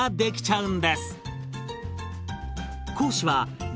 うん。